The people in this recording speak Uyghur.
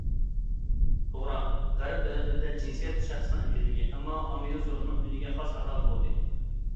توغرا، غەرب دۆلەتلىرىدە جىنسىيەت شەخسىنىڭ ئەركىنلىكى، ئەمما ئاممىۋى سورۇننىڭ ئۈنىگە خاس ئەخلاقى بۇلىدى.